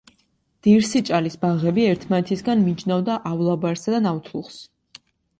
დირსიჭალის ბაღები ერთმანეთისგან მიჯნავდა ავლაბარსა და ნავთლუღს.